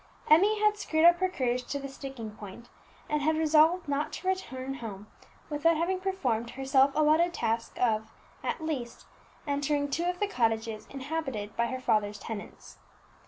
Emmie had "screwed up her courage to the sticking point," and had resolved not to return home without having performed her self allotted task of, at least, entering two of the cottages inhabited by her father's tenants.